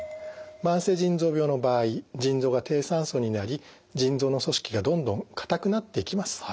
慢性腎臓病の場合腎臓が低酸素になり腎臓の組織がどんどん硬くなっていきます。